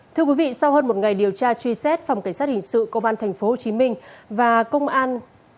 thưa quý vị sau hơn một ngày điều tra truy xét phòng cảnh sát hình sự công an tp hcm và công an